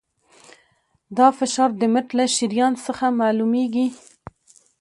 دا فشار د مټ له شریان څخه معلومېږي.